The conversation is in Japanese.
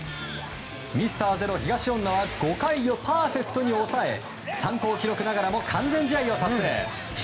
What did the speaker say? ミスターゼロ、東恩納は５回をパーフェクトに抑え参考記録ながらも完全試合を達成。